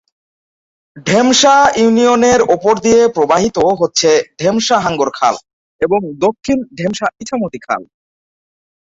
ঢেমশা ইউনিয়নের উপর দিয়ে প্রবাহিত হচ্ছে ঢেমশা হাঙ্গর খাল এবং দক্ষিণ ঢেমশা ইছামতি খাল।